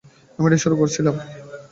আমি এটা শুরু করেছিলাম।